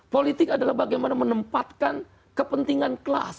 politik adalah bagaimana menempatkan kepentingan kelas